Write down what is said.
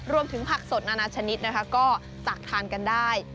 รวมถึงผักสดอาณาชนิดก็ตากทานกันได้